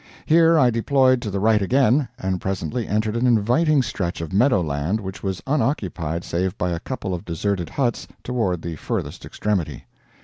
Here I deployed to the right again, and presently entered an inviting stretch of meadowland which was unoccupied save by a couple of deserted huts toward the furthest extremity.